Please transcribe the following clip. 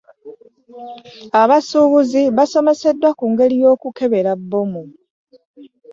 Abasuubuzi basomesedwa ku ngeri y'okukebera bbomu.